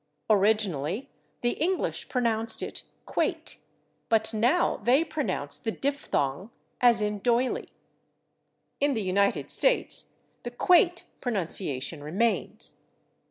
Originally, the English pronounced it /quate/, but now they pronounce the diphthong as in /doily/. In the United States the /quate/ pronunciation remains.